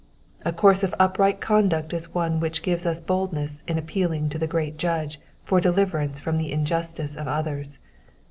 A course of upright conduct is one which gives us boldness in appealing to the Great Judge for deliverance from the injustice of others.